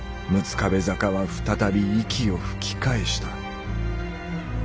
壁坂は再び息を吹き返した。